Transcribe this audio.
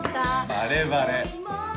バレバレ。